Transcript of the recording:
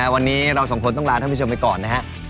วันนี้เราสองคนต้องลาท่านผู้ชมไปก่อนนะครับ